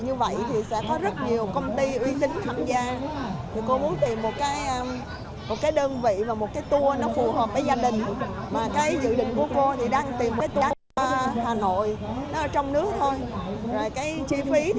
chi phí thì giá nó hợp lý để có thể đi chung với gia đình